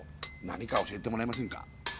何か教えてもらえませんか